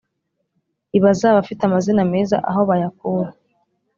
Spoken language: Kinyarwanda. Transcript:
Ibaza Abafite amazi meza aho bayakura